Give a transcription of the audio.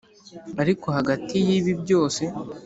ariko hagati yibi byose,